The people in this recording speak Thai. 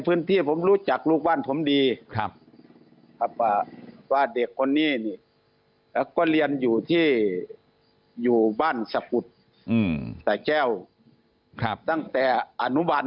พื้นที่ผมรู้จักลูกบ้านผมดีครับว่าเด็กคนนี้นี่ก็เรียนอยู่ที่อยู่บ้านสะกุดสะแก้วตั้งแต่อนุบัน